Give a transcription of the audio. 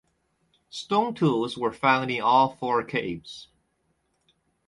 Stone tools were found in all four caves.